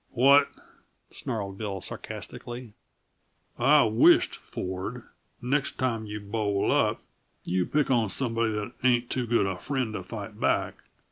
"What!" snarled Bill sarcastically. "I wisht, Ford, next time you bowl up, you'd pick on somebody that ain't too good a friend to fight back!